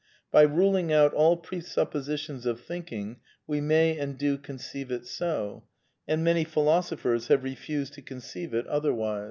By ruling out all presuppositions of thinking we may and do J conceive it so ; and many philosophers have refused to con I ceive it otherwise.